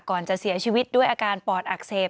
ก่อนจะเสียชีวิตด้วยอาการปอดอักเสบ